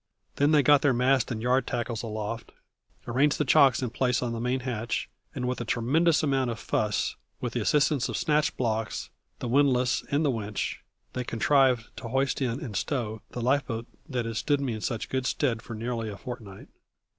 Then they got their mast and yard tackles aloft, arranged the chocks in place on the main hatch, and with a tremendous amount of fuss, with the assistance of snatch blocks, the windlass, and the winch, they contrived to hoist in and stow the life boat that had stood me in such good stead for nearly a fortnight.